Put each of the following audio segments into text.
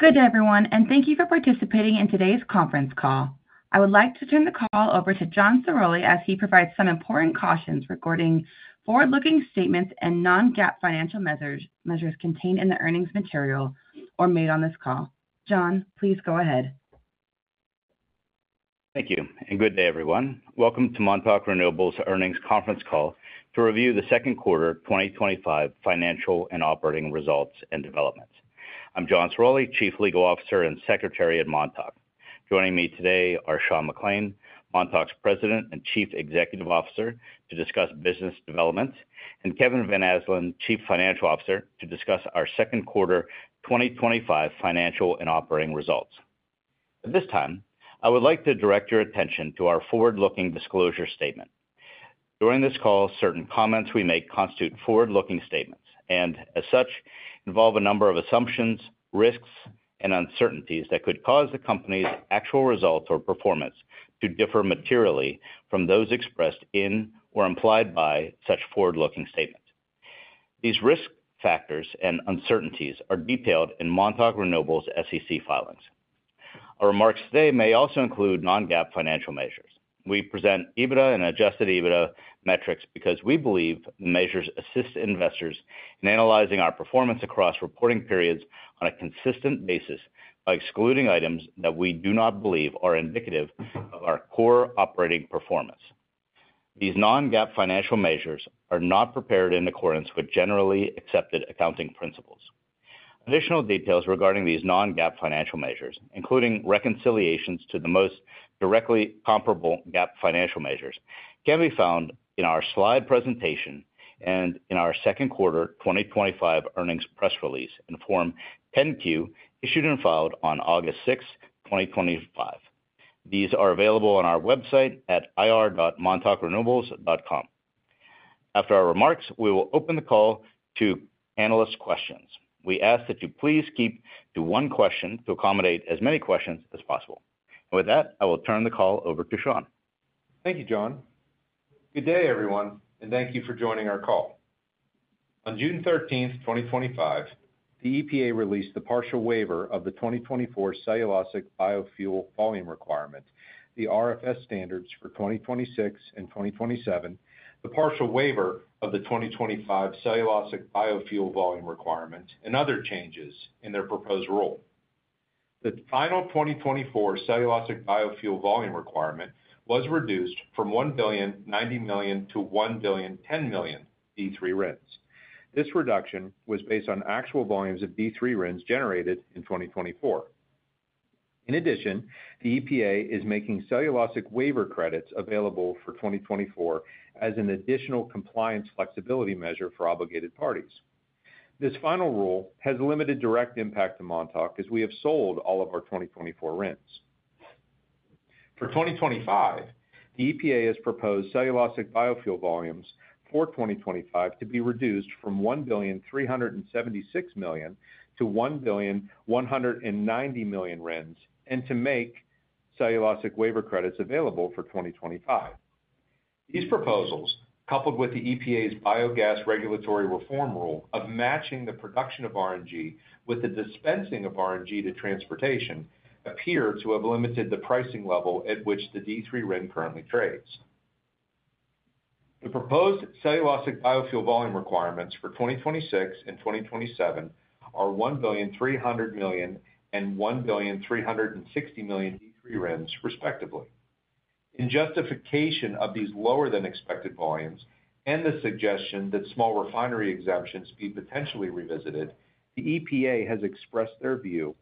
Good day, everyone, and thank you for participating in today's conference call. I would like to turn the call over to John Ciroli as he provides some important cautions regarding forward-looking statements and non-GAAP financial measures contained in the earnings material or made on this call. John, please go ahead. Thank you, and good day, everyone. Welcome to Montauk Renewables' earnings conference call to review the second quarter 2025 financial and operating results and developments. I'm John Ciroli, Chief Legal Officer and Secretary at Montauk. Joining me today are Sean McClain, Montauk's President and Chief Executive Officer, to discuss business developments, and Kevin Van Asdalan, Chief Financial Officer, to discuss our second quarter 2025 financial and operating results. At this time, I would like to direct your attention to our forward-looking disclosure statement. During this call, certain comments we make constitute forward-looking statements and, as such, involve a number of assumptions, risks, and uncertainties that could cause the company's actual results or performance to differ materially from those expressed in or implied by such forward-looking statements. These risk factors and uncertainties are detailed in Montauk Renewables' SEC filings. Our remarks today may also include non-GAAP financial measures. We present EBITDA and adjusted EBITDA metrics because we believe the measures assist investors in analyzing our performance across reporting periods on a consistent basis by excluding items that we do not believe are indicative of our core operating performance. These non-GAAP financial measures are not prepared in accordance with generally accepted accounting principles. Additional details regarding these non-GAAP financial measures, including reconciliations to the most directly comparable GAAP financial measures, can be found in our slide presentation and in our second quarter 2025 earnings press release in Form 10-Q, issued and filed on August 6, 2025. These are available on our website at ir.montaukrenewables.com. After our remarks, we will open the call to analyst questions. We ask that you please keep to one question to accommodate as many questions as possible. With that, I will turn the call over to Sean. Thank you, John. Good day, everyone, and thank you for joining our call. On June 13, 2025, the EPA released the partial waiver of the 2024 cellulosic biofuel volume requirement, the RFS standards for 2026 and 2027, the partial waiver of the 2025 cellulosic biofuel volume requirement, and other changes in their proposed rule. The final 2024 cellulosic biofuel volume requirement was reduced from 1,090,000,000 to 1,010,000,000 D3 RINs. This reduction was based on actual volumes of D3 RINs generated in 2024. In addition, the EPA is making cellulosic waiver credits available for 2024 as an additional compliance flexibility measure for obligated parties. This final rule has limited direct impact to Montauk Renewables as we have sold all of our 2024 RINs. For 2025, the EPA has proposed cellulosic biofuel volumes for 2025 to be reduced from 1,376,000,000 to 1,190,000,000 RINs and to make cellulosic waiver credits available for 2025. These proposals, coupled with the EPA's Biogas Regulatory Reform Rule of matching the production of RNG as with the dispensing of RNG to transportation, appear to have limited the pricing level at which the D3 RIN currently trades. The proposed cellulosic biofuel volume requirements for 2026 and 2027 are 1,300,000,000 and 1,360,000,000 D3 RINs, respectively. In justification of these lower than expected volumes and the suggestion that small refinery exemptions be potentially revisited, the EPA has expressed their view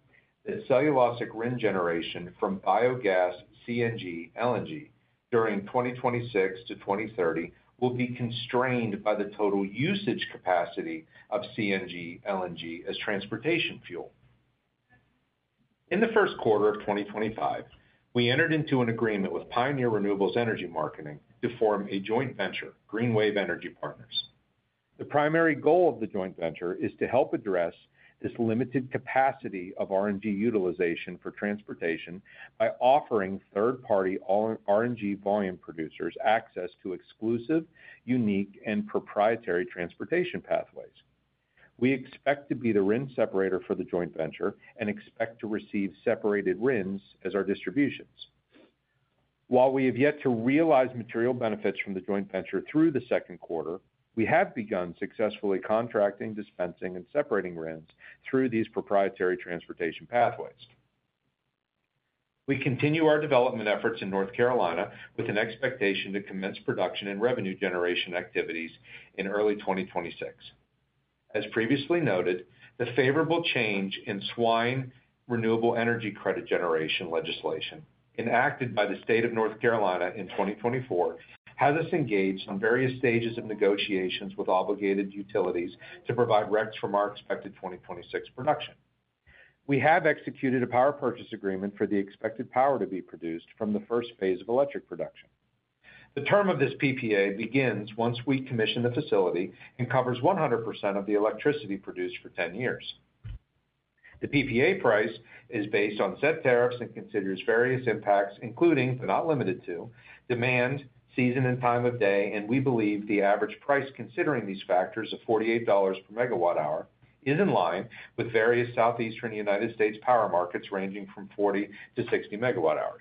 that cellulosic RIN generation from biogas CNG LNG during 2026 to 2030 will be constrained by the total usage capacity of CNG LNG as transportation fuel. In the first quarter of 2025, we entered into an agreement with Pioneer Renewables Energy Marketing to form a joint venture, Greenwave Energy Partners. The primary goal of the joint venture is to help address this limited capacity of RNG utilization for transportation by offering third-party RNG volume producers access to exclusive, unique, and proprietary transportation pathways. We expect to be the RIN separator for the joint venture and expect to receive separated RINs as our distributions. While we have yet to realize material benefits from the joint venture through the second quarter, we have begun successfully contracting, dispensing, and separating RINs through these proprietary transportation pathways. We continue our development efforts in North Carolina with an expectation to commence production and revenue generation activities in early 2026. As previously noted, the favorable change in swine renewable energy credit generation legislation, enacted by the state of North Carolina in 2024, has us engaged in various stages of negotiations with obligated utilities to provide RECs from our expected 2026 production. We have executed a power purchase agreement for the expected power to be produced from the first phase of electric production. The term of this PPA begins once we commission the facility and covers 100% of the electricity produced for 10 years. The PPA price is based on set tariffs and considers various impacts, including, but not limited to, demand, season, and time of day, and we believe the average price considering these factors of $48 megawatt hour is in line with various southeastern United States power markets ranging from $40 to $60 megawatt hour.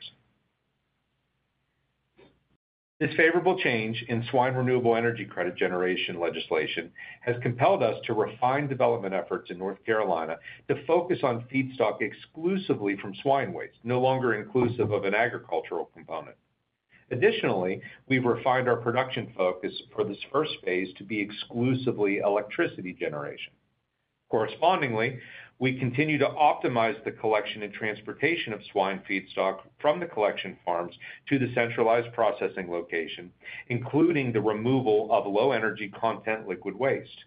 This favorable change in swine renewable energy credit generation legislation has compelled us to refine development efforts in North Carolina to focus on feedstock exclusively from swine waste, no longer inclusive of an agricultural component. Additionally, we've refined our production focus for this first phase to be exclusively electricity generation. Correspondingly, we continue to optimize the collection and transportation of swine feedstock from the collection farms to the centralized processing location, including the removal of low-energy content liquid waste.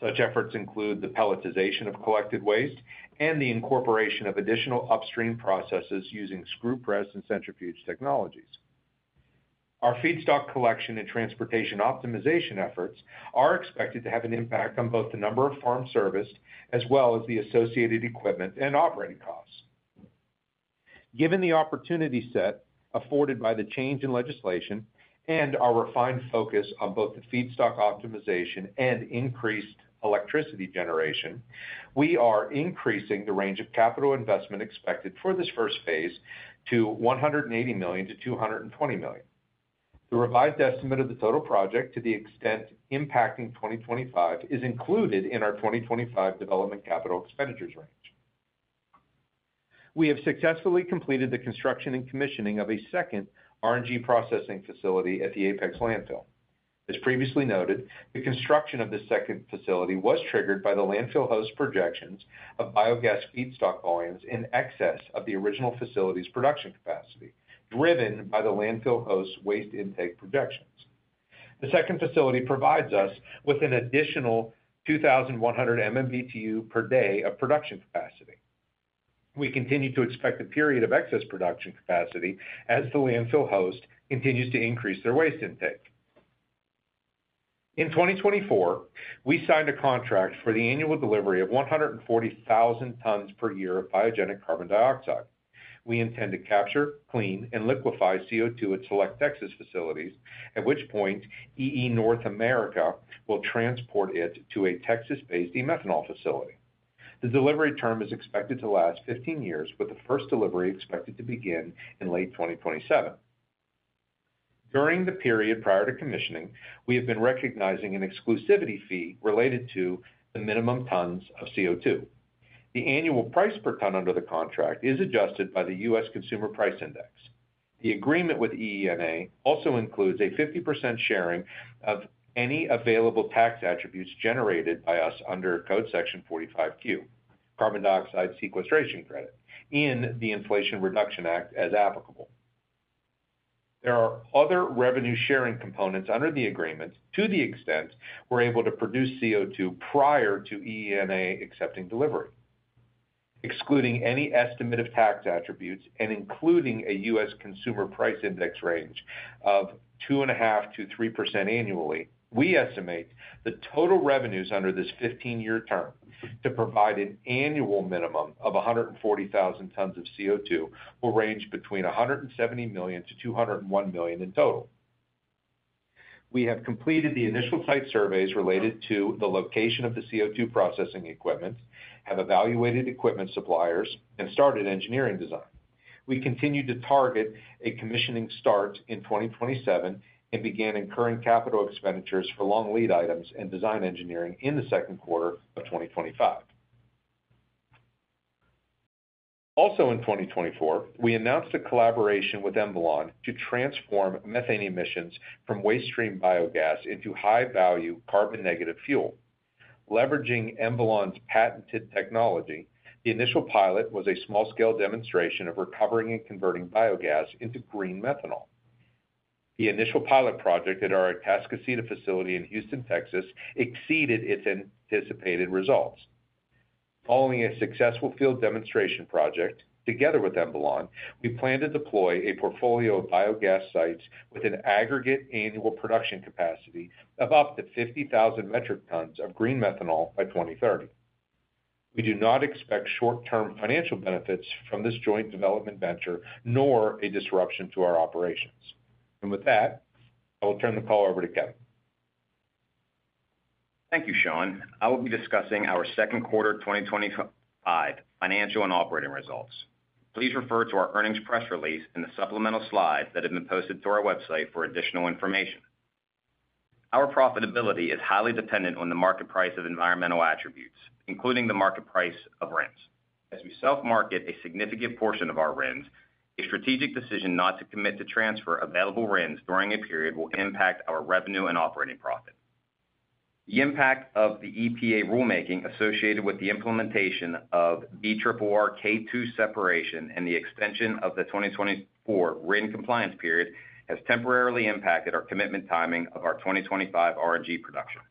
Such efforts include the pelletization of collected waste and the incorporation of additional upstream processes using screw press and centrifuge technologies. Our feedstock collection and transportation optimization efforts are expected to have an impact on both the number of farms serviced as well as the associated equipment and operating costs. Given the opportunity set afforded by the change in legislation and our refined focus on both the feedstock optimization and increased electricity generation, we are increasing the range of capital investment expected for this first phase to $180 million to $220 million. The revised estimate of the total project to the extent impacting 2025 is included in our 2025 development capital expenditures range. We have successfully completed the construction and commissioning of a second RNG processing facility at the Apex Landfill. As previously noted, the construction of the second facility was triggered by the landfill host projections of biogas feedstock volumes in excess of the original facility's production capacity, driven by the landfill host's waste intake projections. The second facility provides us with an additional 2,100 MMBtu per day of production capacity. We continue to expect a period of excess production capacity as the landfill host continues to increase their waste intake. In 2024, we signed a contract for the annual delivery of 140,000 tons per year of biogenic carbon cioxide. We intend to capture, clean, and liquefy CO2 at select Texas facilities, at which point EE North America will transport it to a Texas-based e-methanol facility. The delivery term is expected to last 15 years, with the first delivery expected to begin in late 2027. During the period prior to commissioning, we have been recognizing an exclusivity fee related to the minimum tons of CO2. The annual price per ton under the contract is adjusted by the U.S. Consumer Price Index. The agreement with EE NA also includes a 50% sharing of any available tax attributes generated by us under Code Section 45Q, Carbon Dioxide Sequestration Credit, in the Inflation Reduction Act as applicable. There are other revenue sharing components under the agreement to the extent we're able to produce CO2 prior to EE NA accepting delivery. Excluding any estimate of tax attributes and including a U.S. Consumer Price Index range of 2.5% to 3% annually, we estimate the total revenues under this 15-year term to provide an annual minimum of 140,000 tons of CO2 will range between $170,000,000 to $201,000,000 in total. We have completed the initial site surveys related to the location of the CO2 processing equipment, have evaluated equipment suppliers, and started engineering design. We continue to target a commissioning start in 2027 and began incurring capital expenditures for long lead items and design engineering in the second quarter of 2025. Also in 2024, we announced a collaboration with Emvolon to transform methane emissions from waste stream biogas into high-value carbon-negative fuel. Leveraging Emvolon's patented technology, the initial pilot was a small-scale demonstration of recovering and converting biogas into green methanol. The initial pilot project at our Atascocita facility in Houston, Texas, exceeded its anticipated results. Following a successful field demonstration project, together with Emvolon, we plan to deploy a portfolio of biogas sites with an aggregate annual production capacity of up to 50,000 metric tons of green methanol by 2030. We do not expect short-term financial benefits from this joint development venture, nor a disruption to our operations. With that, I will turn the call over to Kevin. Thank you, Sean. I will be discussing our second quarter 2025 financial and operating results. Please refer to our earnings press release and the supplemental slides that have been posted to our website for additional information. Our profitability is highly dependent on the market price of environmental attributes, including the market price of RINs. As we self-market a significant portion of our RINs, a strategic decision not to commit to transfer available RINs during a period will impact our revenue and operating profit. The impact of the EPA rulemaking associated with the implementation of BRRR K2 separation and the extension of the 2024 RIN compliance period has temporarily impacted our commitment timing of our 2025 RNG production.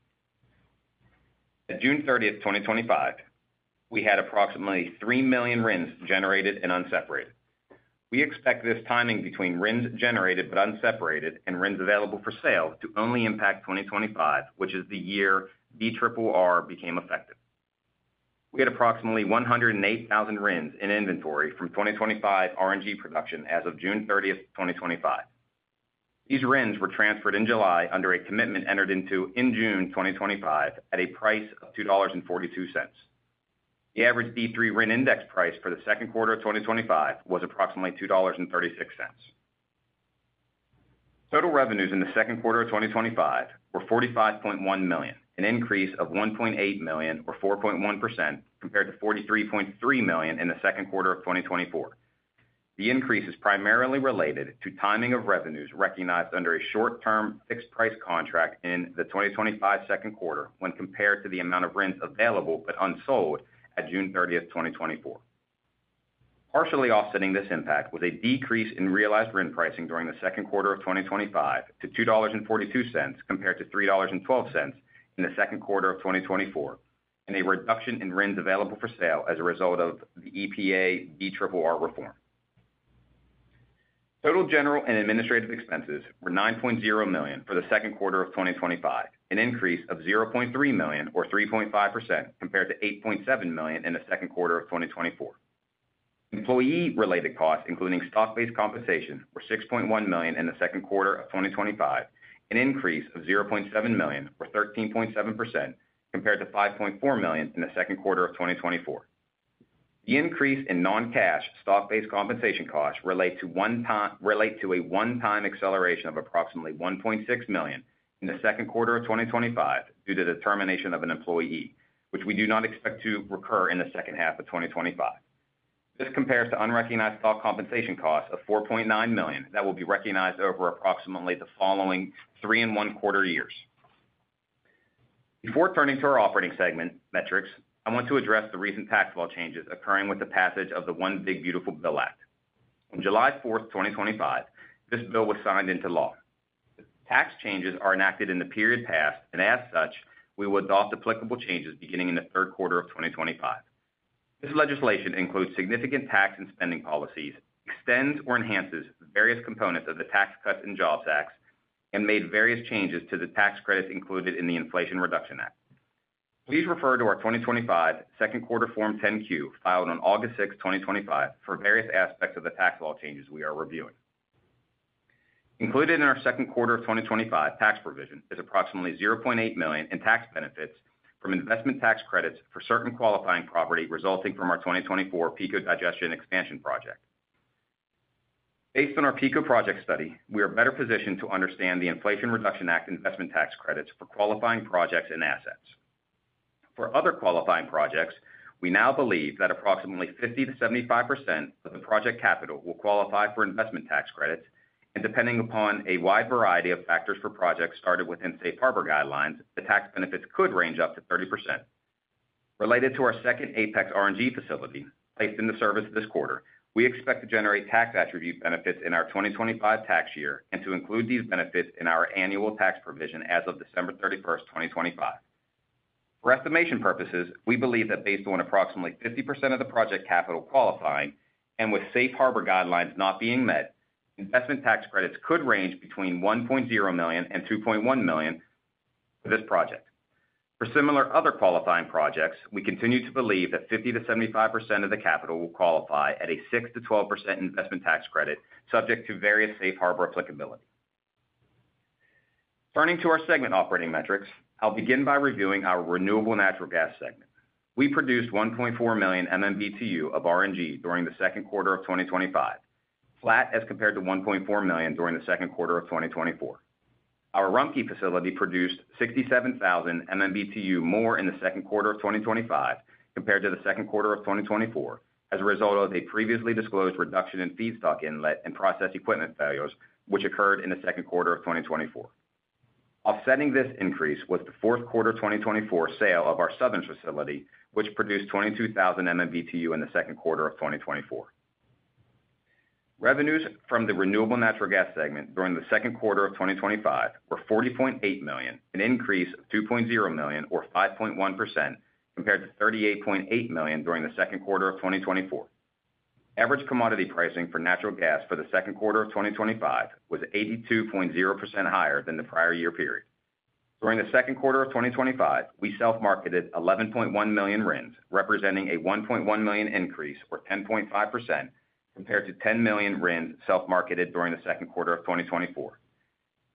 On June 30, 2025, we had approximately 3 million RINs generated and unseparated. We expect this timing between RINs generated but unseparated and RINs available for sale to only impact 2025, which is the year BRRR became effective. We had approximately 108,000 RINs in inventory from 2025 RNG production as of June 30, 2025. These RINs were transferred in July under a commitment entered into in June 2025 at a price of $2.42. The average D3 RIN index price for the second quarter of 2025 was approximately $2.36. Total revenues in the second quarter of 2025 were $45.1 million, an increase of $1.8 million or 4.1% compared to $43.3 million in the second quarter of 2024. The increase is primarily related to timing of revenues recognized under a short-term fixed price contract in the 2025 second quarter when compared to the amount of RINs available but unsold at June 30, 2024. Partially offsetting this impact was a decrease in realized RIN pricing during the second quarter of 2025 to $2.42 compared to $3.12 in the second quarter of 2024, and a reduction in RINs available for sale as a result of the EPA BRRR reform. Total general and administrative expenses were $9.0 million for the second quarter of 2025, an increase of $0.3 million or 3.5% compared to $8.7 million in the second quarter of 2024. Employee-related costs, including stock-based compensation, were $6.1 million in the second quarter of 2025, an increase of $0.7 million or 13.7% compared to $5.4 million in the second quarter of 2024. The increase in non-cash stock-based compensation costs relates to a one-time acceleration of approximately $1.6 million in the second quarter of 2025 due to the termination of an employee, which we do not expect to recur in the second half of 2025. This compares to unrecognized stock-based compensation costs of $4.9 million that will be recognized over approximately the following three and one quarter years. Before turning to our operating segment metrics, I want to address the recent tax law changes occurring with the passage of the One Big Beautiful Bill Act. On July 4, 2025, this bill was signed into law. The tax changes are enacted in the period passed, and as such, we will adopt applicable changes beginning in the third quarter of 2025. This legislation includes significant tax and spending policies, extends or enhances various components of the Tax Cuts and Jobs Act, and made various changes to the tax credits included in the Inflation Reduction Act. Please refer to our 2025 second quarter Form 10-Q filed on August 6, 2025, for various aspects of the tax law changes we are reviewing. Included in our second quarter of 2025 tax provision is approximately $0.8 million in tax benefits from investment tax credits for certain qualifying property resulting from our 2024 PICO Digestion Expansion Project. Based on our PICO project study, we are better positioned to understand the Inflation Reduction Act investment tax credits for qualifying projects and assets. For other qualifying projects, we now believe that approximately 50% to 75% of the project capital will qualify for investment tax credits, and depending upon a wide variety of factors for projects started within Safe Harbor guidelines, the tax benefits could range up to 30%. Related to our second Apex RNG facility placed in service this quarter, we expect to generate tax attribute benefits in our 2025 tax year and to include these benefits in our annual tax provision as of December 31, 2025. For estimation purposes, we believe that based on approximately 50% of the project capital qualifying and with Safe Harbor guidelines not being met, investment tax credits could range between $1.0 million and $2.1 million for this project. For similar other qualifying projects, we continue to believe that 50% to 75% of the capital will qualify at a 6% to 12% investment tax credit subject to various Safe Harbor applicability. Turning to our segment operating metrics, I'll begin by reviewing our Renewable Natural Gas segment. We produced 1.4 million MMBtu of RNG during the second quarter of 2025, flat as compared to 1.4 million during the second quarter of 2024. Our Rumpke facility produced 67,000 MMBtu more in the second quarter of 2025 compared to the second quarter of 2024 as a result of a previously disclosed reduction in feedstock inlet and process equipment failures, which occurred in the second quarter of 2024. Offsetting this increase was the fourth quarter of 2024 sale of our Sorrento's facility, which produced 22,000 MMBtu in the second quarter of 2024. Revenues from the renewable natural gas segment during the second quarter of 2025 were $40.8 million, an increase of $2.0 million or 5.1% compared to $38.8 million during the second quarter of 2024. Average commodity pricing for natural gas for the second quarter of 2025 was 82.0% higher than the prior year period. During the second quarter of 2025, we self-marketed 11.1 million RINs, representing a 1.1 million increase or 10.5% compared to 10 million RINs self-marketed during the second quarter of 2024.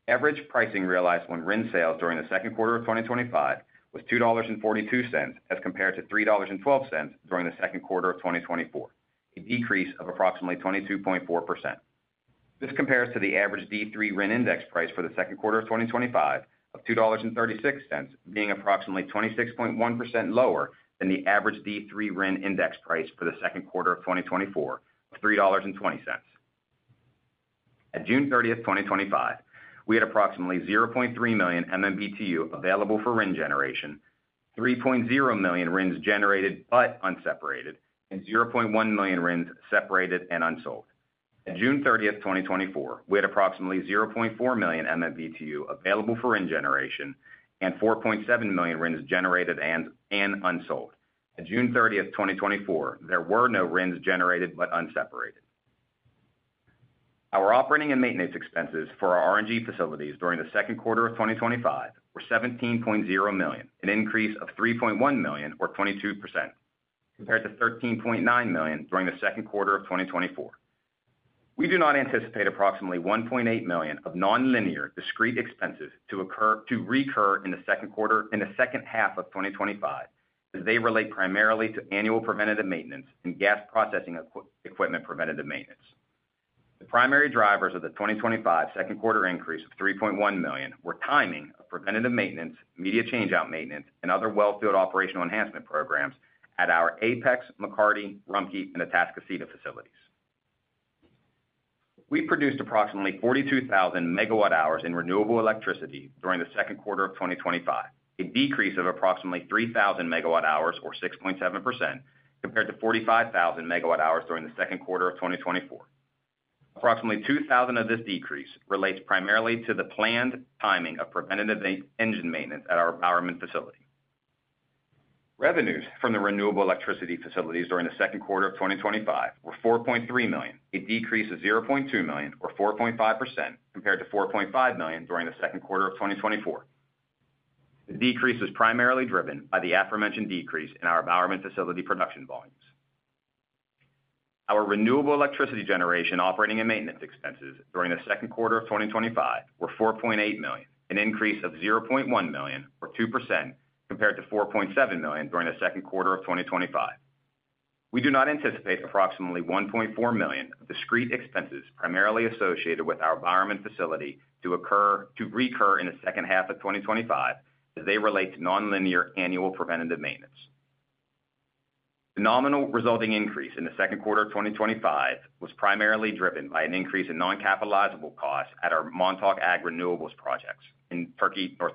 Average pricing realized on RIN sales during the second quarter of 2025 was $2.42 as compared to $3.12 during the second quarter of 2024, a decrease of approximately 22.4%. This compares to the average D3 RIN index price for the second quarter of 2025 of $2.36, being approximately 26.1% lower than the average D3 RIN index price for the second quarter of 2024 of $3.20. At June 30, 2025, we had approximately 0.3 million MMBtu available for RIN generation, 3.0 million RINs generated but unseparated, and 0.1 million RINs separated and unsold. At June 30, 2024, we had approximately 0.4 million MMBtu available for RIN generation and 4.7 million RINs generated and unsold. At June 30, 2024, there were no RINs generated but unseparated. Our operating and maintenance expenses for our RNG facilities during the second quarter of 2025 were $17.0 million, an increase of $3.1 million or 22% compared to $13.9 million during the second quarter of 2024. We do not anticipate approximately $1.8 million of nonlinear discrete expenses to recur in the second quarter in the second half of 2025, as they relate primarily to annual preventative maintenance and gas processing equipment preventative maintenance. The primary drivers of the 2025 second quarter increase of $3.1 million were timing of preventative maintenance, media changeout maintenance, and other wellfield operational enhancement programs at our Apex, McCarty, Rumpke, and Atascocita facilities. We produced approximately 42,000 MWh in renewable electricity during the second quarter of 2025, a decrease of approximately 3,000 MWh or 6.7% compared to 45,000 MWh during the second quarter of 2024. Approximately 2,000 of this decrease relates primarily to the planned timing of preventative engine maintenance at our Bowerman facility. Revenues from the renewable electricity facilities during the second quarter of 2025 were $4.3 million, a decrease of $0.2 million or 4.5% compared to $4.5 million during the second quarter of 2024. The decrease is primarily driven by the aforementioned decrease in our Bowerman facility production volumes. Our renewable electricity generation operating and maintenance expenses during the second quarter of 2025 were $4.8 million, an increase of $0.1 million or 2% compared to $4.7 million during the second quarter of 2024. We do not anticipate approximately $1.4 million of discrete expenses primarily associated with our Bowerman facility to recur in the second half of 2025, as they relate to nonlinear annual preventative maintenance. The nominal resulting increase in the second quarter of 2025 was primarily driven by an increase in non-capitalizable costs at our Montauk Ag Renewables projects in Turkey, North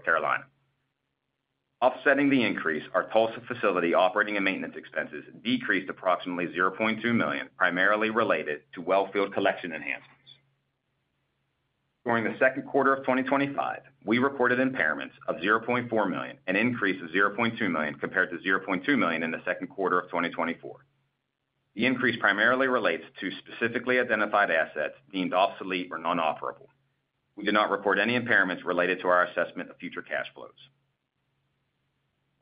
Carolina. Offsetting the increase, our Tulsa facility operating and maintenance expenses decreased approximately $0.2 million, primarily related to wellfield collection enhancements. During the second quarter of 2025, we recorded impairments of $0.4 million, an increase of $0.2 million compared to $0.2 million in the second quarter of 2024. The increase primarily relates to specifically identified assets deemed obsolete or non-offerable. We do not record any impairments related to our assessment of future cash flows.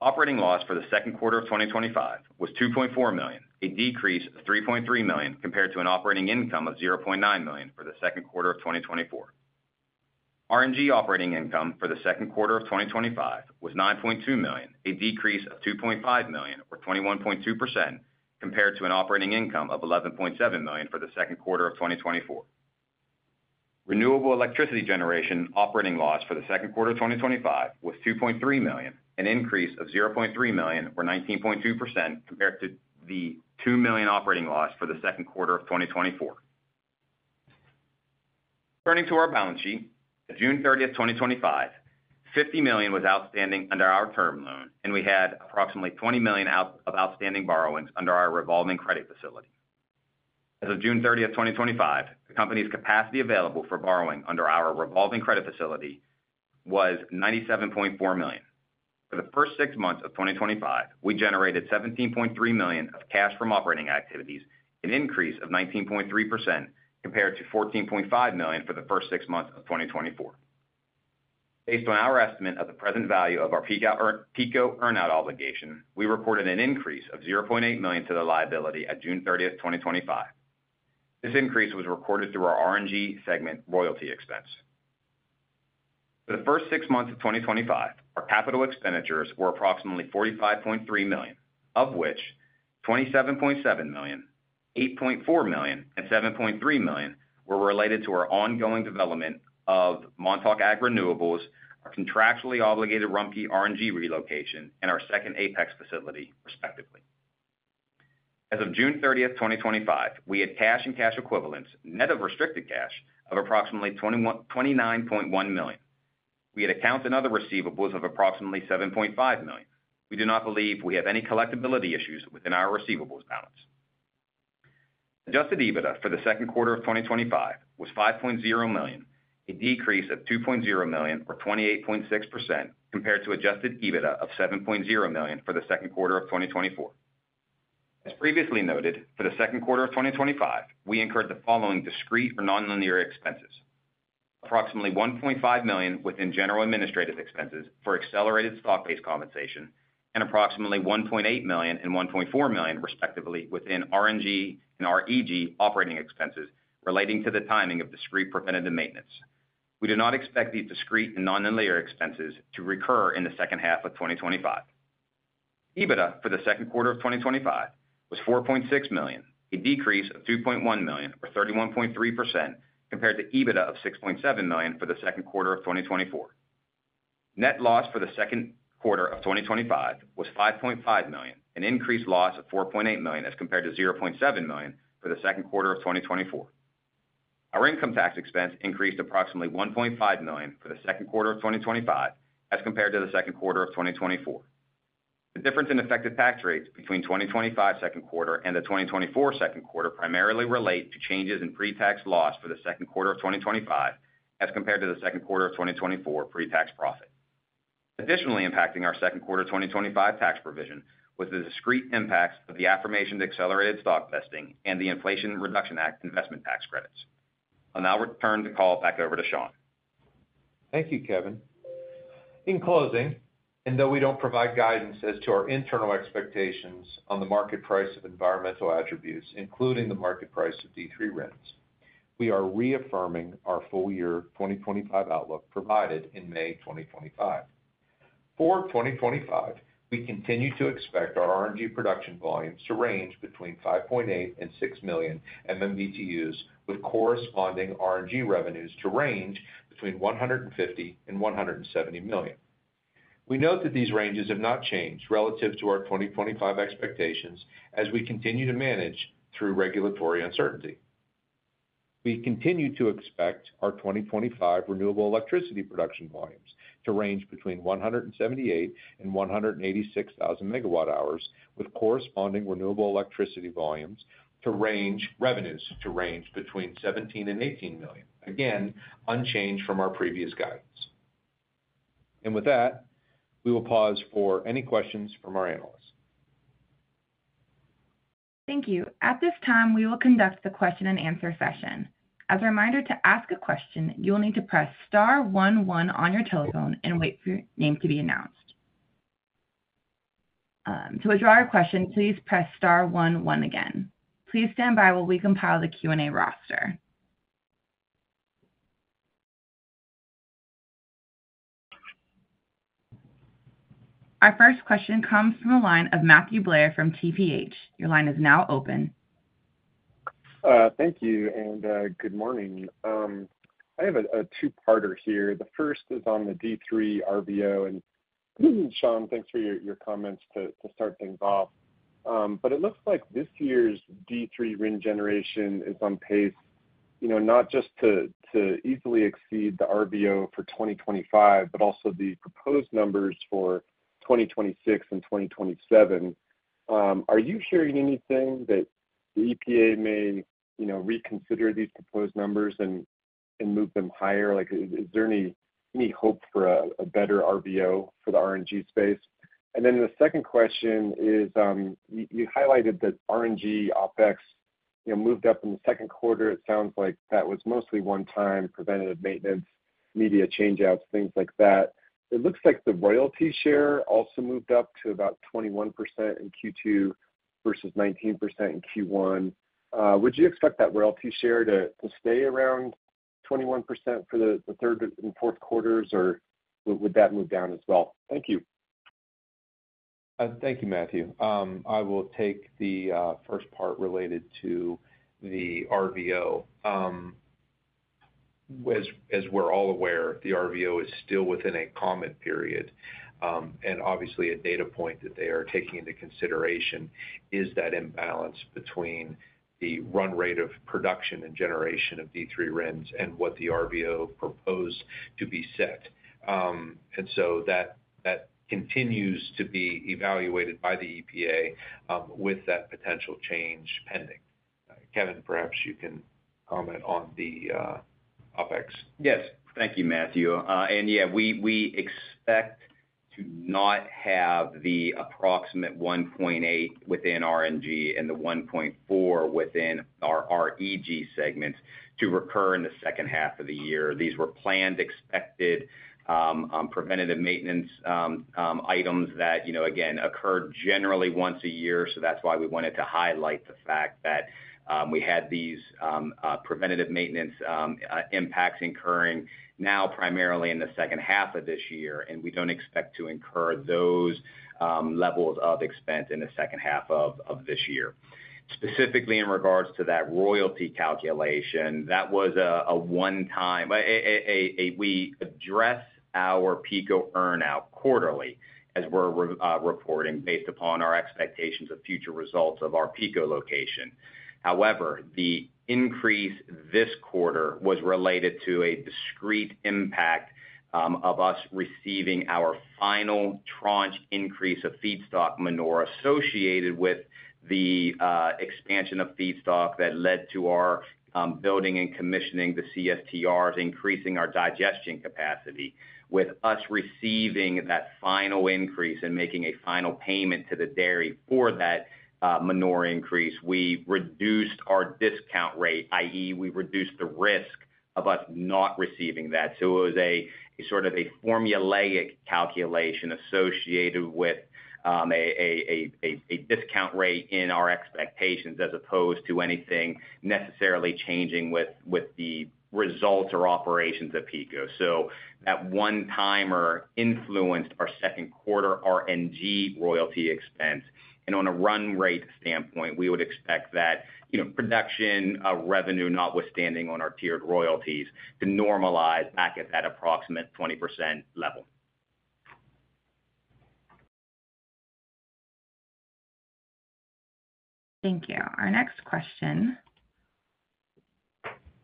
Operating loss for the second quarter of 2025 was $2.4 million, a decrease of $3.3 million compared to an operating income of $0.9 million for the second quarter of 2024. RNG operating income for the second quarter of 2025 was $9.2 million, a decrease of $2.5 million or 21.2% compared to an operating income of $11.7 million for the second quarter of 2024. Renewable electricity generation operating loss for the second quarter of 2025 was $2.3 million, an increase of $0.3 million or 19.2% compared to the $2 million operating loss for the second quarter of 2024. Turning to our balance sheet, June 30, 2025, $50 million was outstanding under our term loan, and we had approximately $20 million of outstanding borrowings under our revolving credit facility. As of June 30, 2025, the company's capacity available for borrowing under our revolving credit facility was $97.4 million. For the first six months of 2025, we generated $17.3 million of cash from operating activities, an increase of 19.3% compared to $14.5 million for the first six months of 2024. Based on our estimate of the present value of our PICO earnout obligation, we recorded an increase of $0.8 million to the liability at June 30, 2025. This increase was recorded through our RNG segment royalty expense. For the first six months of 2025, our capital expenditures were approximately $45.3 million, of which $27.7 million, $8.4 million, and $7.3 million were related to our ongoing development of Montauk Ag Renewables, contractually obligated Rumpke RNG relocation, and our second Apex facility, respectively. As of June 30, 2025, we had cash and cash equivalents, net of restricted cash, of approximately $29.1 million. We had accounts and other receivables of approximately $7.5 million. We do not believe we have any collectability issues within our receivables balance. Adjusted EBITDA for the second quarter of 2025 was $5.0 million, a decrease of $2.0 million or 28.6% compared to adjusted EBITDA of $7.0 million for the second quarter of 2024. As previously noted, for the second quarter of 2025, we incurred the following discrete or nonlinear expenses: approximately $1.5 million within general administrative expenses for accelerated stock-based compensation and approximately $1.8 million and $1.4 million, respectively, within RNG and REG operating expenses relating to the timing of discrete preventative maintenance. We do not expect these discrete and nonlinear expenses to recur in the second half of 2025. EBITDA for the second quarter of 2025 was $4.6 million, a decrease of $2.1 million or 31.3% compared to EBITDA of $6.7 million for the second quarter of 2024. Net loss for the second quarter of 2025 was $5.5 million, an increased loss of $4.8 million as compared to $0.7 million for the second quarter of 2024. Our income tax expense increased approximately $1.5 million for the second quarter of 2025 as compared to the second quarter of 2024. The difference in effective tax rates between the 2025 second quarter and the 2024 second quarter primarily relates to changes in pre-tax loss for the second quarter of 2025 as compared to the second quarter of 2024 pre-tax profit. Additionally, impacting our second quarter 2025 tax provision was the discrete impacts of the affirmation to accelerated stock vesting and the Inflation Reduction Act investment tax credits. I'll now return the call back over to Sean. Thank you, Kevin. In closing, though we don't provide guidance as to our internal expectations on the market price of environmental attributes, including the market price of D3 RINs, we are reaffirming our full-year 2025 outlook provided in May 2025. For 2025, we continue to expect our RNG production volumes to range between 5.8 and 6 million MMBtu with corresponding RNG revenues to range between $150 and $170 million. We note that these ranges have not changed relative to our 2025 expectations as we continue to manage through regulatory uncertainty. We continue to expect our 2025 renewable electricity production volumes to range between 178,000 and 186,000 megawatt hours with corresponding renewable electricity revenues to range between $17 and $18 million, again unchanged from our previous guidance. With that, we will pause for any questions from our analysts. Thank you. At this time, we will conduct the question and answer session. As a reminder, to ask a question, you'll need to press star one one on your telephone and wait for your name to be announced. To withdraw a question, please press star one one again. Please stand by while we compile the Q&A roster. Our first question comes from a line of Matthew Blair from TPH. Your line is now open. Thank you, and good morning. I have a two-parter here. The first is on the D3 RVO, and Sean, thanks for your comments to start things off. It looks like this year's D3 RIN generation is on pace, not just to easily exceed the RVO for 2025, but also the proposed numbers for 2026 and 2027. Are you hearing anything that the EPA may reconsider these proposed numbers and move them higher? Is there any hope for a better RVO for the RNG space? The second question is, you highlighted that RNG OpEx moved up in the second quarter. It sounds like that was mostly one-time preventative maintenance, media changeouts, things like that. It looks like the royalty share also moved up to about 21% in Q2 versus 19% in Q1. Would you expect that royalty share to stay around 21% for the third and fourth quarters, or would that move down as well? Thank you. Thank you, Matthew. I will take the first part related to the RVO. As we're all aware, the RVO is still within a comment period. Obviously, a data point that they are taking into consideration is that imbalance between the run rate of production and generation of D3 RINs and what the RVO proposed to be set. That continues to be evaluated by the EPA with that potential change pending. Kevin, perhaps you can comment on the OpEx. Yes, thank you, Matthew. We expect to not have the approximate $1.8 million within RNG and the $1.4 million within our REG segments recur in the second half of the year. These were planned, expected preventative maintenance items that occurred generally once a year. That is why we wanted to highlight the fact that we had these preventative maintenance impacts incurring now primarily in the first half of this year, and we don't expect to incur those levels of expense in the second half of this year. Specifically, in regards to that royalty calculation, that was a one-time. We address our PICO earnout quarterly as we're reporting based upon our expectations of future results of our PICO location. However, the increase this quarter was related to a discrete impact of us receiving our final tranche increase of feedstock manure associated with the expansion of feedstock that led to our building and commissioning the CSTRs, increasing our digestion capacity. With us receiving that final increase and making a final payment to the dairy for that manure increase, we reduced our discount rate, i.e., we reduced the risk of us not receiving that. It was a sort of a formulaic calculation associated with a discount rate in our expectations as opposed to anything necessarily changing with the results or operations of PICO. That one-timer influenced our second quarter RNG royalty expense. On a run rate standpoint, we would expect that production revenue, notwithstanding on our tiered royalties, to normalize back at that approximate 20% level. Thank you. Our next question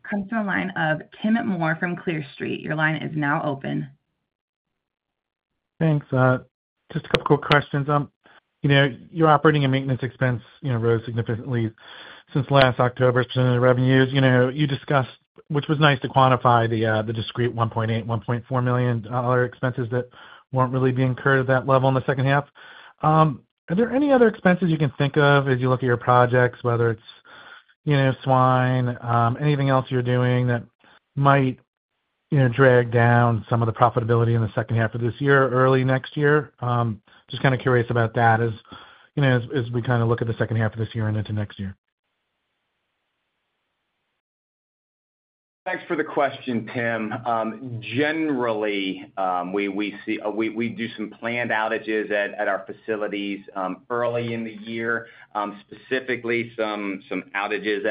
comes from a line of Tim Moore from Clear Street. Your line is now open. Thanks. Just a couple of quick questions. Your operating and maintenance expense rose significantly since last October as a percentage of the revenues. You discussed, which was nice to quantify, the discrete $1.8 million, $1.4 million expenses that weren't really being incurred at that level in the second half. Are there any other expenses you can think of as you look at your projects, whether it's swine, anything else you're doing that might drag down some of the profitability in the second half of this year or early next year? Just kind of curious about that as we kind of look at the second half of this year and into next year. Thanks for the question, Tim. Generally, we see we do some planned outages at our facilities early in the year, specifically some outages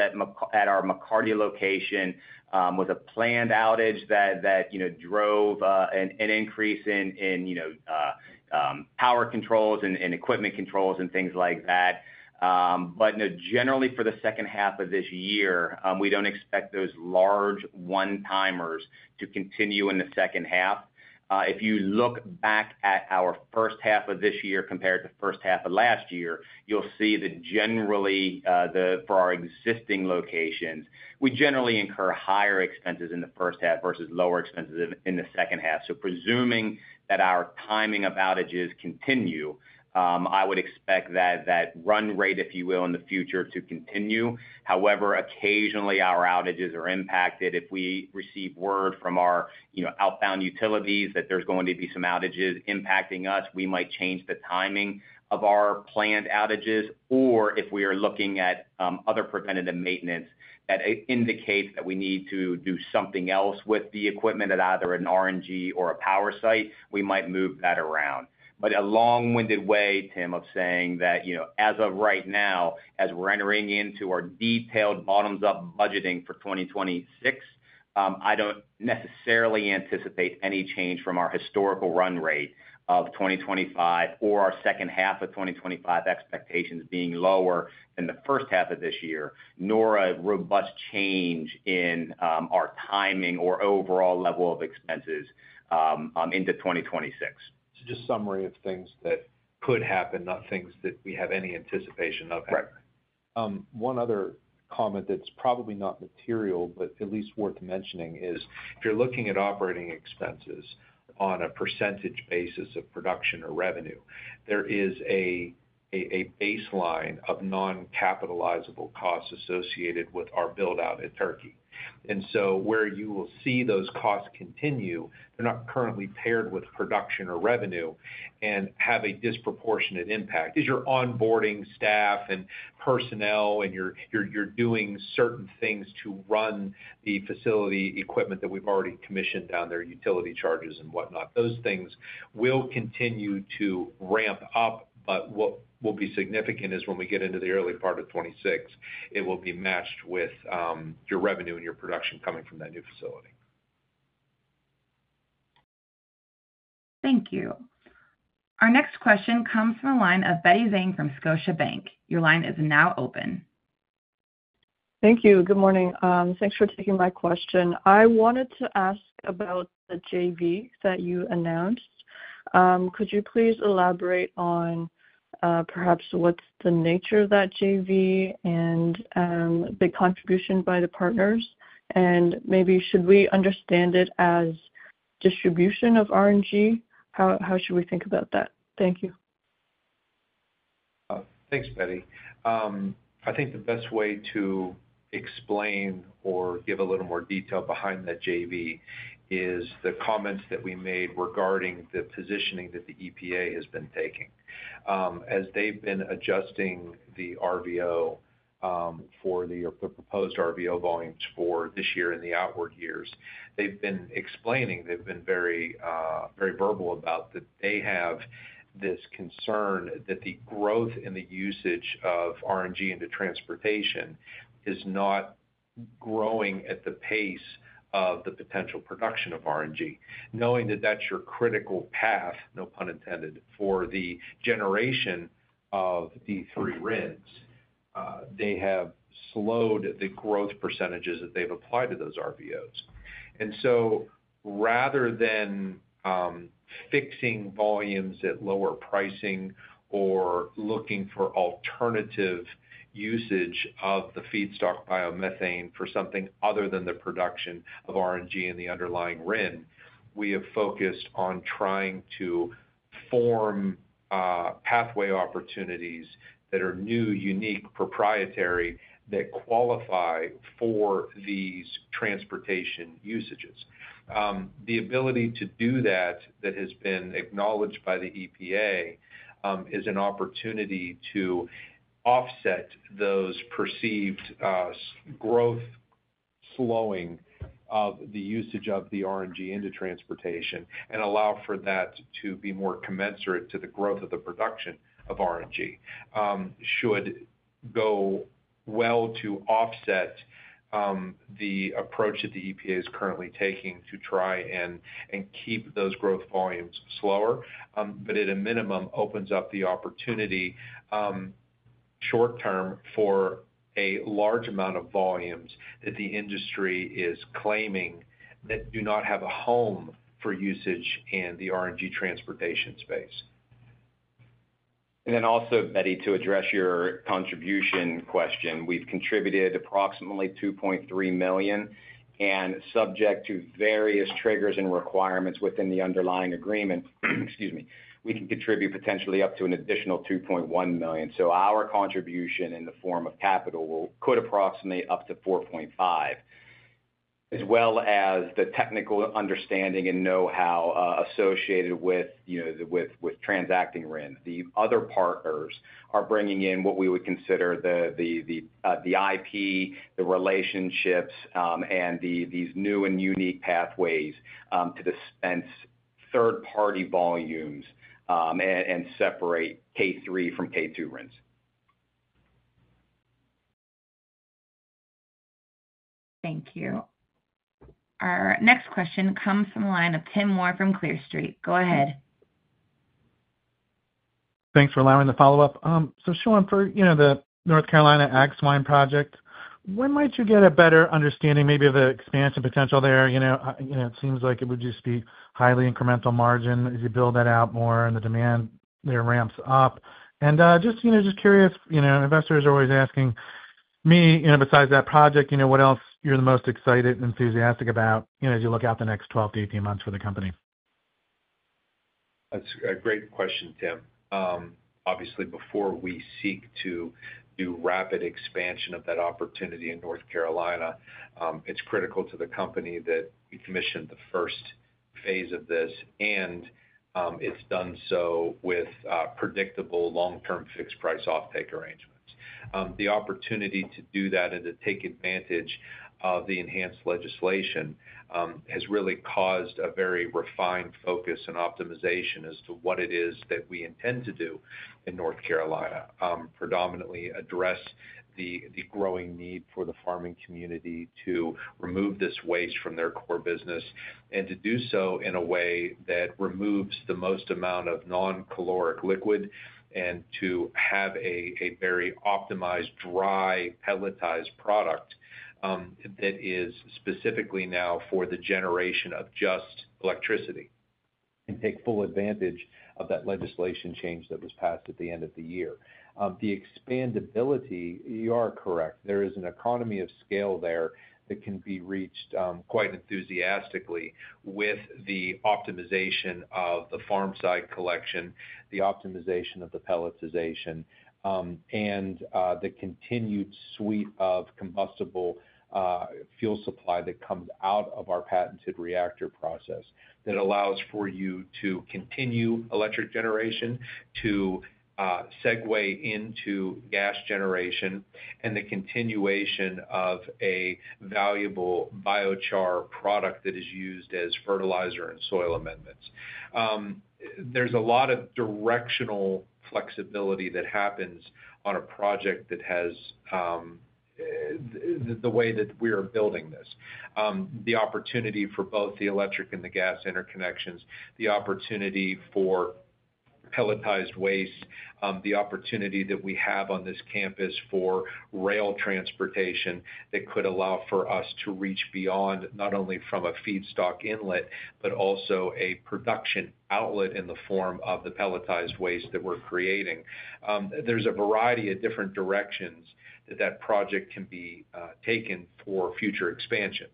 at our McCarty location with a planned outage that drove an increase in power controls and equipment controls and things like that. Generally, for the second half of this year, we don't expect those large one-timers to continue in the second half. If you look back at our first half of this year compared to the first half of last year, you'll see that generally for our existing locations, we generally incur higher expenses in the first half versus lower expenses in the second half. Presuming that our timing of outages continue, I would expect that run rate, if you will, in the future to continue. However, occasionally our outages are impacted. If we receive word from our outbound utilities that there's going to be some outages impacting us, we might change the timing of our planned outages, or if we are looking at other preventative maintenance that indicates that we need to do something else with the equipment at either an RNG or a power site, we might move that around. A long-winded way, Tim, of saying that as of right now, as we're entering into our detailed bottoms-up budgeting for 2026, I don't necessarily anticipate any change from our historical run rate of 2025 or our second half of 2025 expectations being lower than the first half of this year, nor a robust change in our timing or overall level of expenses into 2026. is just a summary of things that could happen, not things that we have any anticipation of. Right. One other comment that's probably not material, but at least worth mentioning is if you're looking at operating expenses on a percentage basis of production or revenue, there is a baseline of non-capitalizable costs associated with our build-out in Turkey. Where you will see those costs continue, they're not currently paired with production or revenue and have a disproportionate impact. You're onboarding staff and personnel, and you're doing certain things to run the facility equipment that we've already commissioned down there, utility charges and whatnot. Those things will continue to ramp up, but what will be significant is when we get into the early part of 2026, it will be matched with your revenue and your production coming from that new facility. Thank you. Our next question comes from a line of Betty Zhang from Scotiabank. Your line is now open. Thank you. Good morning. Thanks for taking my question. I wanted to ask about the JV that you announced. Could you please elaborate on perhaps what's the nature of that JV and the contribution by the partners? Should we understand it as distribution of RNG? How should we think about that? Thank you. Thanks, Betty. I think the best way to explain or give a little more detail behind that JV is the comments that we made regarding the positioning that the EPA has been taking. As they've been adjusting the RVO for the proposed RVO volumes for this year and the outward years, they've been explaining, they've been very verbal about that they have this concern that the growth in the usage of RNG into transportation is not growing at the pace of the potential production of RNG. Knowing that that's your critical path, no pun intended, for the generation of D3 RINs, they have slowed the growth percentages that they've applied to those RVOs. Rather than fixing volumes at lower pricing or looking for alternative usage of the feedstock biomethane for something other than the production of RNG and the underlying RIN, we have focused on trying to form pathway opportunities that are new, unique, proprietary that qualify for these transportation usages. The ability to do that that has been acknowledged by the EPA is an opportunity to offset those perceived growth slowing of the usage of the RNG into transportation and allow for that to be more commensurate to the growth of the production of RNG. It should go well to offset the approach that the EPA is currently taking to try and keep those growth volumes slower, but at a minimum opens up the opportunity short term for a large amount of volumes that the industry is claiming that do not have a home for usage in the RNG transportation space. Betty, to address your contribution question, we've contributed approximately $2.3 million, and subject to various triggers and requirements within the underlying agreement, we can contribute potentially up to an additional $2.1 million. Our contribution in the form of capital could approximate up to $4.5 million, as well as the technical understanding and know-how associated with transacting RIN. The other partners are bringing in what we would consider the IP, the relationships, and these new and unique pathways to dispense third-party volumes and separate D3 from K2 RINs. Thank you. Our next question comes from a line of Tim Moore from Clear Street. Go ahead. Thanks for allowing the follow-up. Sean, for the North Carolina Ag Swine Project, when might you get a better understanding maybe of the expansion potential there? It seems like it would just be highly incremental margin as you build that out more and the demand there ramps up. Just curious, investors are always asking me, besides that project, what else you're the most excited and enthusiastic about as you look out the next 12 to 18 months for the company? That's a great question, Tim. Obviously, before we seek to do rapid expansion of that opportunity in North Carolina, it's critical to the company that we commissioned the first phase of this, and it's done so with predictable long-term fixed price offtake arrangements. The opportunity to do that and to take advantage of the enhanced legislation has really caused a very refined focus and optimization as to what it is that we intend to do in North Carolina, predominantly address the growing need for the farming community to remove this waste from their core business and to do so in a way that removes the most amount of non-caloric liquid and to have a very optimized, dry, pelletized product that is specifically now for the generation of just electricity and take full advantage of that legislation change that was passed at the end of the year. The expandability, you are correct, there is an economy of scale there that can be reached quite enthusiastically with the optimization of the farm-side collection, the optimization of the pelletization, and the continued suite of combustible fuel supply that comes out of our patented reactor process that allows for you to continue electric generation, to segue into gas generation, and the continuation of a valuable biochar product that is used as fertilizer and soil amendments. There is a lot of directional flexibility that happens on a project that has the way that we are building this. The opportunity for both the electric and the gas interconnections, the opportunity for pelletized waste, the opportunity that we have on this campus for rail transportation that could allow for us to reach beyond not only from a feedstock inlet, but also a production outlet in the form of the pelletized waste that we're creating. There is a variety of different directions that that project can be taken for future expansion.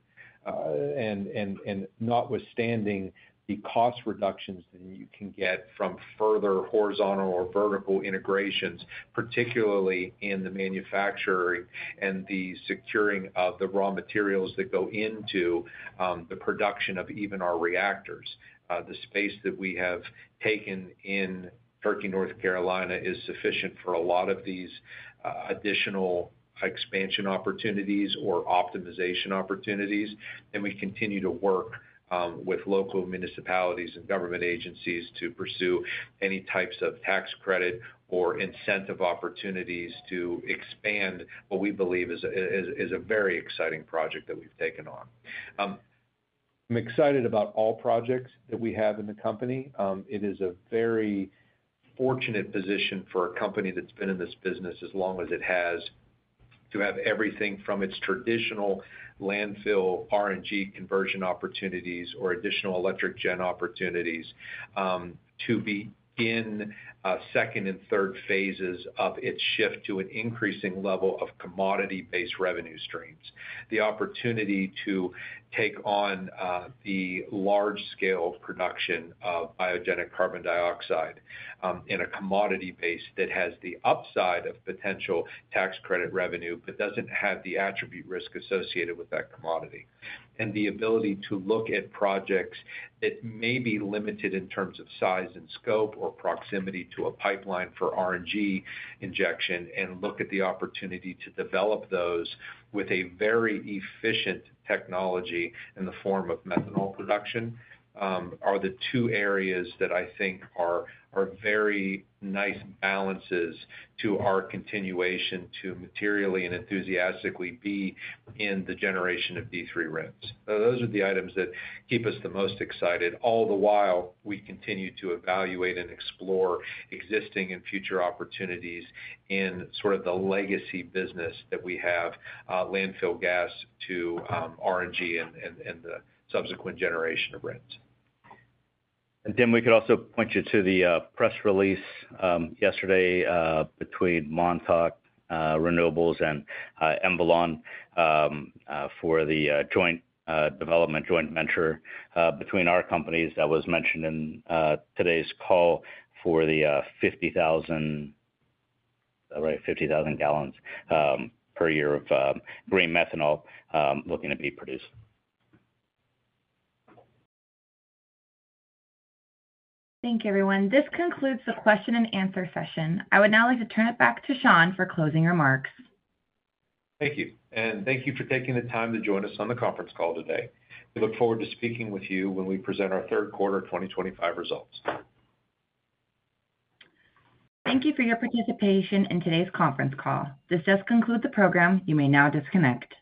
Notwithstanding the cost reductions that you can get from further horizontal or vertical integrations, particularly in the manufacturing and the securing of the raw materials that go into the production of even our reactors, the space that we have taken in Turkey, North Carolina, is sufficient for a lot of these additional expansion opportunities or optimization opportunities. We continue to work with local municipalities and government agencies to pursue any types of tax credit or incentive opportunities to expand what we believe is a very exciting project that we've taken on. I'm excited about all projects that we have in the company. It is a very fortunate position for a company that's been in this business as long as it has, to have everything from its traditional landfill RNG conversion opportunities or additional electric gen opportunities to begin second and third phases of its shift to an increasing level of commodity-based revenue streams. The opportunity to take on the large-scale production of biogenic carbon dioxide in a commodity base that has the upside of potential tax credit revenue, but doesn't have the attribute risk associated with that commodity, and the ability to look at projects that may be limited in terms of size and scope or proximity to a pipeline for RNG injection and look at the opportunity to develop those with a very efficient technology in the form of methanol production are the two areas that I think are very nice balances to our continuation to materially and enthusiastically be in the generation of D3 RINs. Those are the items that keep us the most excited. All the while, we continue to evaluate and explore existing and future opportunities in sort of the legacy business that we have, landfill gas to RNG and the subsequent generation of RINs. We could also point you to the press release yesterday between Montauk Renewables and Emvolon for the joint development, joint venture between our companies that was mentioned in today's call for the 50,000, right, 50,000 gallons per year of green methanol looking to be produced. Thank you, everyone. This concludes the question and answer session. I would now like to turn it back to Sean for closing remarks. Thank you. Thank you for taking the time to join us on the conference call today. We look forward to speaking with you when we present our third quarter 2025 results. Thank you for your participation in today's conference call. This does conclude the program. You may now disconnect.